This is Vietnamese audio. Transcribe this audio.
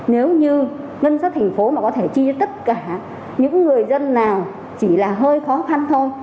nếu như ngân sách thành phố mà có thể chi cho tất cả những người dân nào chỉ là hơi khó khăn thôi